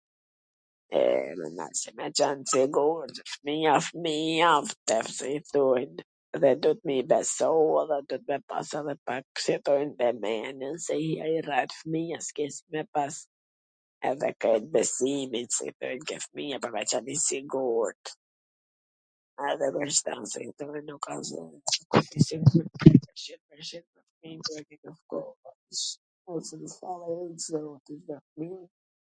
...me qan t sigurt, fmija wsht rritur edhe duhet me i besu, po edhe duhet pas edhe pak si i thojn vemendje, se i rref fmia, s ke si me pas edhe krejt besimin ke fmija pwr me qwn i sigurt....